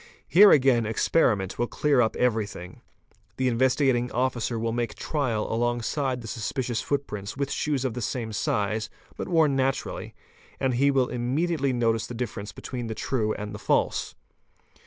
Here again experiment will clear up everything. The Investigating Officer will make trial along side the suspicious footprints with shoes of the same size, but worn naturally, and he will immediately notice the difference between the true and the false.